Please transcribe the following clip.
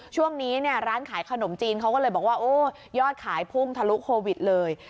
ช่วงนี้เนี่ยร้านขายขนมจีนเขาก็เลยบอกว่าโอ้ยอดขายพุ่งทะลุโควิดเลย